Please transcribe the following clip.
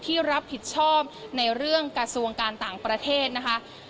ที่รับผิดชอบในเรื่องกระทรวงการต่างประเทศนะคะ